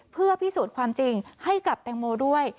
เพื่อพิสูจน์ความจริงให้กับแตงโมด้วย